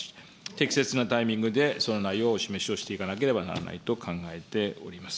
適切なタイミングで、その内容をお示しをしていかなければならないと考えております。